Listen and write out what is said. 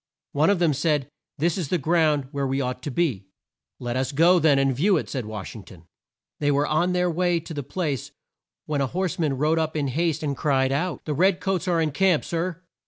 One of them said, "There is the ground where we ought to be." "Let us go then and view it," said Wash ing ton. They were on their way to the place, when a horse man rode up in haste and cried out, "The red coats are in camp, Sir!"